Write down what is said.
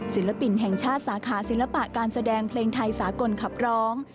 ศิลปินแห่งชาติสาขาศิลปะการแสดงเพลงไทยสากลขับร้อง